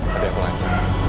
tadi aku lancar